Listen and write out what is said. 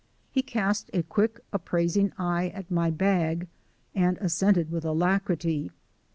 He cast a quick appraising eye at my bag, and assented with alacrity.